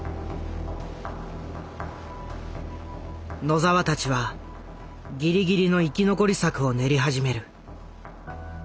野澤たちはギリギリの生き残り策を練り始める。